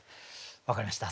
分かりました。